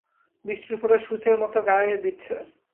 বৃষ্টির ফোঁটা সূচের মতো গায়োবিধছে।